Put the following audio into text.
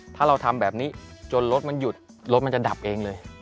ถ้าเราทำแบบนี้จนรถมันหยุดรถมันจะดับเองเลย